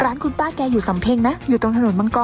ร้านคุณป้าแกอยู่สำเพ็งนะอยู่ตรงถนนมังกร